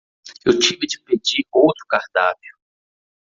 Eu tive de pedir outro cardápio